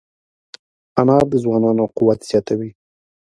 انار د ځوانانو قوت زیاتوي.